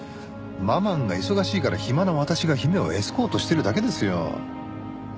ママンが忙しいから暇な私が姫をエスコートしてるだけですよ。